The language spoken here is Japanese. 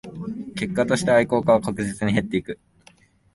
結果として愛好家は確実に減っていく